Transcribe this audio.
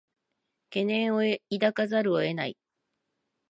懸念を抱かざるを得ない